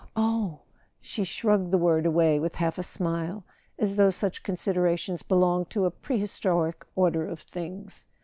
Oh " She shrugged the word away with half a smile, as though such considerations belonged to a prehistoric order of things.